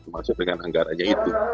termasuk dengan anggarannya itu